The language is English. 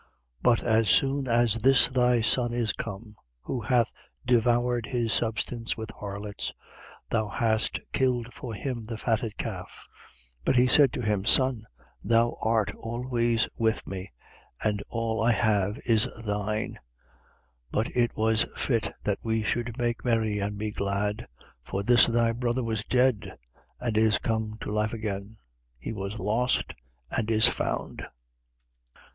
15:30. But as soon as this thy son is come, who hath devoured his substance with harlots, thou hast killed for him the fatted calf. 15:31. But he said to him: Son, thou art always with me; and all I have is thine. 15:32. But it was fit that we should make merry and be glad: for this thy brother was dead and is come to life again; he was lost, and is found.